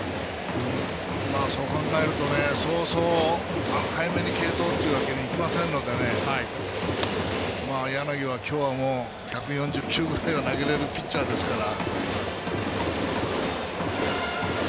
そう考えると早々、早めに継投というわけにはいきませんので柳も１４０球ぐらいは投げれるピッチャーですから。